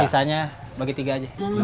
sisanya bagi tiga aja